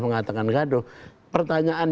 mengatakan gaduh pertanyaan